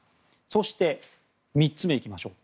そして、３つ目いきましょう。